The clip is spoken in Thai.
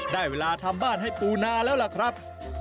ได้เวลาทำบ้านให้ปูนาแล้วล่ะครับ